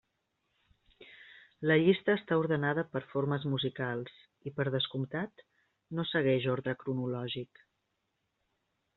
La llista està ordenada per formes musicals i, per descomptat, no segueix ordre cronològic.